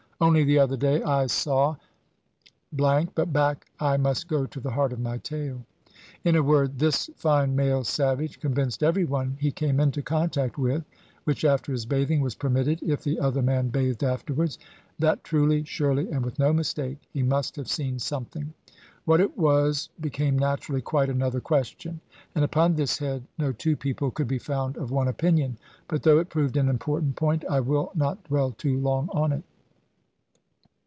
Only the other day I saw but back I must go to the heart of my tale. In a word, this fine male savage convinced every one he came into contact with (which after his bathing was permitted, if the other man bathed afterwards), that truly, surely, and with no mistake he must have seen something. What it was became naturally quite another question; and upon this head no two people could be found of one opinion. But though it proved an important point, I will not dwell too long on it.